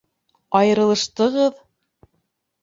Айырылыштығыҙ?